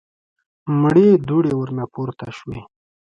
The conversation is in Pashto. مړې دوړې ورنه پورته شوې.